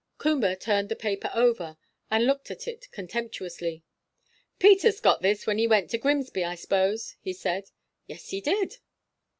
Coomber turned the paper over, and looked at it contemptuously. "Peters got this when he went to Grimsby, I s'pose?" he said. "Yes, he did."